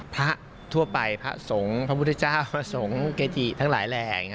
พระทั่วไปพระสงฆ์พระพุทธเจ้าพระสงฆ์เกจิทั้งหลายแหล่